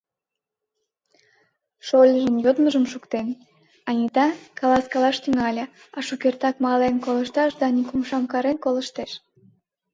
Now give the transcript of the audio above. Шольыжын йодмыжым шуктен, Анита каласкалаш тӱҥале, а шукертак мален колтышаш Даник умшам карен колыштеш.